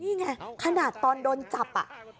นี่ไงขนาดตอนโดนจับ